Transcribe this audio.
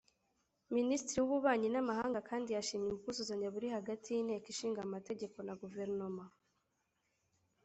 Minisitiri w’Ububanyi n’Amahanga kandi yashimye ubwuzuzanye buri hagati y’Inteko Ishinga Amategeko na Guverinoma